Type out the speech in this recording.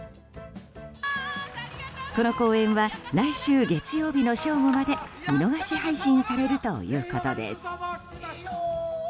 この公演は来週月曜日の正午まで見逃し配信されるということです。